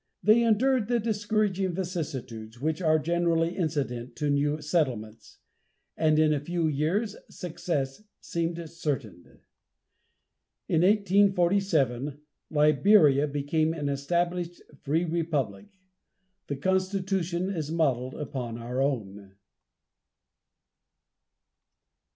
They endured the discouraging vicissitudes which are generally incident to new settlements, and in a few years success seemed certain. In 1847 LIBERIA became an established free republic. The constitution is modeled upon our own.